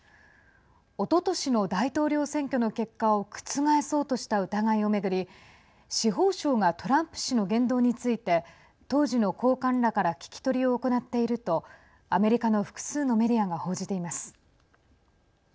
おととしの大統領選挙の結果を覆そうとした疑いを巡り司法省がトランプ氏の言動について当時の高官らから聞き取りを行っているとアメリカの複数のメディアが報じています。